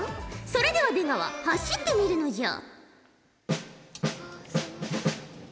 それでは出川走ってみるのじゃ。